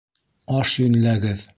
Аш йүнләгеҙ.